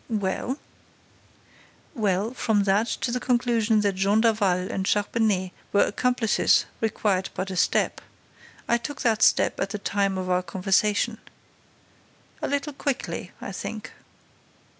"Well?" "Well, from that to the conclusion that Jean Daval and Charpenais were accomplices required but a step. I took that step at the time of our conversation." "A little quickly, I think."